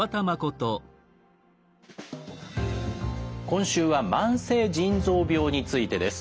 今週は「慢性腎臓病」についてです。